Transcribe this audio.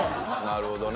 なるほどね。